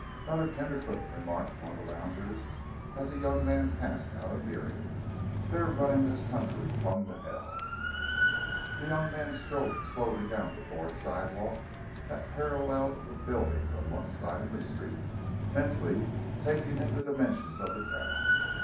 "'Nother tenderfoot," remarked one of the loungers as the young man passed out of hearing; "they're runnin' this country plum to hell!" The young man strode slowly down the board sidewalk that paralleled the buildings on one side of the street, mentally taking in the dimensions of the town.